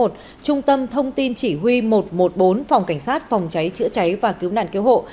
trung tâm thông tin chỉ huy một trăm một mươi bốn phòng cảnh sát phòng cháy chữa cháy và cứu nạn cứu hộ